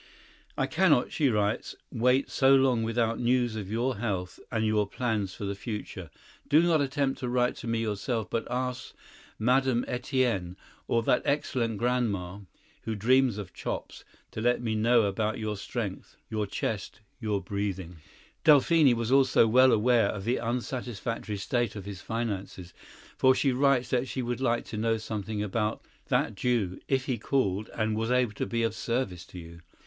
… "I cannot," she writes, "wait so long without news of your health and your plans for the future. Do not attempt to write to me yourself, but ask Mme. Etienne, or that excellent grandma, who dreams of chops, to let me know about your strength, your chest, your breathing." Delphine also was well aware of the unsatisfactory state of his finances, for she writes that she would like to know something about "that Jew; if he called and was able to be of service to you."